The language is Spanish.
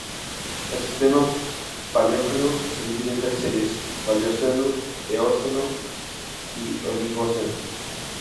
El sistema Paleógeno se divide en tres series: Paleoceno, Eoceno y Oligoceno.